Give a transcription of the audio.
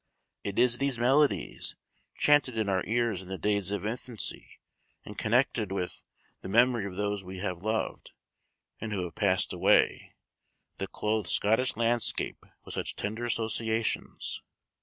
It is these melodies, chanted in our ears in the days of infancy, and connected with the memory of those we have loved, and who have passed away, that clothe Scottish landscape with such tender associations.